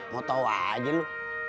mau tau aja lu